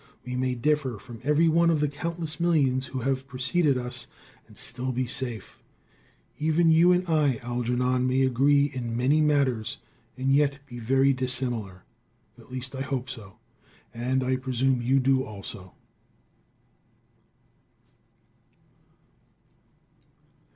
We may differ from every one of the countless millions who have preceded us, and still be safe. Even you and I, Algernon, may agree in many matters, and yet be very dissimilar. At least I hope so, and I presume you do also.